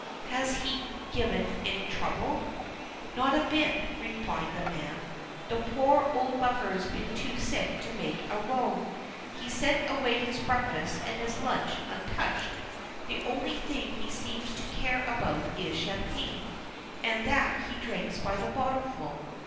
"Has he given any trouble? "Not a bit," replied the man. "The poor old buffer's been too sick to make a row. He sent away his breakfast and his lunch untouched. The only thing he seems to care about is champagne, and that he drinks by the bottle full.